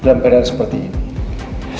jangan berada seperti ini